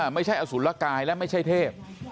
ไม่ใช่อสุรกายและไม่ใช่เทพ